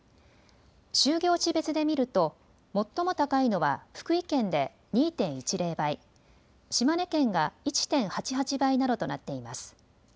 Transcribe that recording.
就業地別で見ると最も高いのは福井県で２．１０倍、島根県が１．８８倍などとなっています。